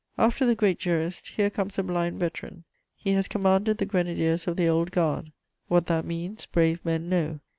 * After the great jurist, here comes a blind veteran: he has commanded the Grenadiers of the Old Guard; what that means brave men know.